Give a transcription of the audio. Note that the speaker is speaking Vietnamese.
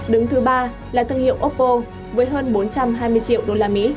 đứng thứ ba là thương hiệu oppo với hơn bốn trăm hai mươi triệu usd